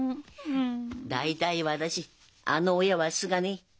大体私あの親は好かねえ。